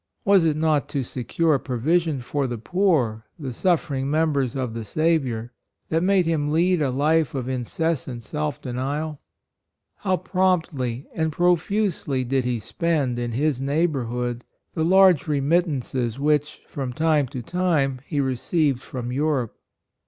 Was it not to secure a provision for the poor, the suffer VIKTUES. 93 ing members of the Saviour, that made him lead a life of incessant self denial ? How promptly and profusely did he spend in his neighborhood the large remit tances which, from time to time, he received from Europe.